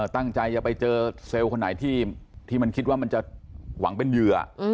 ตั้งใจจะไปเจอเซลล์คนไหนที่มันคิดว่ามันจะหวังเป็นเหยื่อ